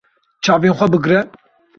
Çavên xwe bigire.